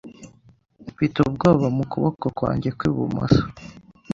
Mfite ubwoba mu kuboko kwanjye kw'ibumoso.